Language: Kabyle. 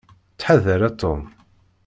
Ttḥadar a Tom.